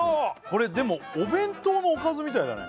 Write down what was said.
これでもお弁当のおかずみたいだね